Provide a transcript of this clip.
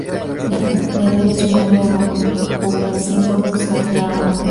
Le debe su nombre a Don Gumersindo Sayago.